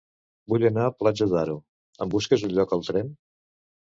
Vull anar a Platja d'Aro; em busques un lloc al tren?